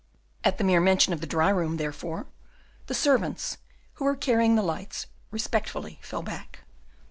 At the mere mention of the dry room, therefore, the servants who were carrying the lights respectfully fell back.